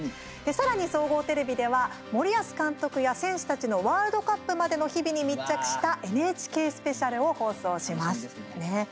さらに総合テレビでは森保監督や選手たちのワールドカップまでの日々に密着したＮＨＫスペシャルを放送します。